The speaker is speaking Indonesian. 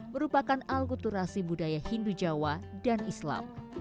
merupakan akulturasi budaya hindu jawa dan islam